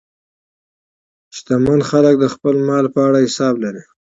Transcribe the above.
شتمن خلک د خپل مال په اړه حساب لري.